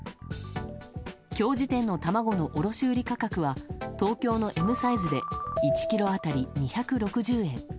今日時点で卵の卸売価格は東京のＭサイズで１ｋｇ当たり２６０円。